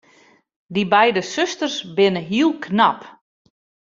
Dy beide susters binne hiel knap.